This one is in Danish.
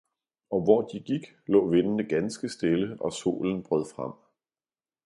og hvor de gik, lå vindene ganske stille og solen brød frem.